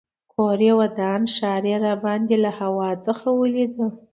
کور یې ودان ښار یې راباندې له هوا څخه ولیده.